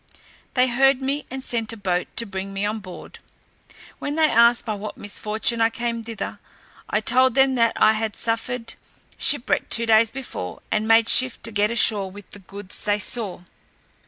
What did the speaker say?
They heard me, and sent a boat to bring me on board, when they asked by what misfortune I came thither; I told them that I had suffered shipwreck two days before, and made shift to get ashore with the goods they saw.